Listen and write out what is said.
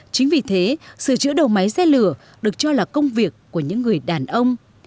chính vì thế sửa chữa đầu máy xe lửa được cho là công việc của những người đàn ông